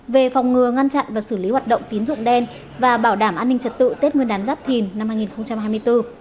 về phòng ngừa ngăn chặn và xử lý hoạt động tín dụng đen và bảo đảm an ninh trật tự tết nguyên đán giáp thìn năm hai nghìn hai mươi bốn